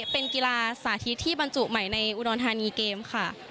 เป็นกีฬาสาธิตที่บรรจุใหม่ในอุดรธานีเกมค่ะ